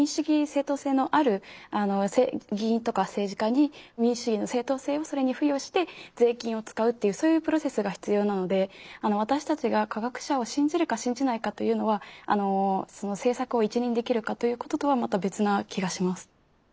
正統性のある議員とか政治家に民主主義の正統性をそれに付与して税金を使うっていうそういうプロセスが必要なのであの私たちが科学者を信じるか信じないかというのはその政策を一任できるかということとはまた別な気がします。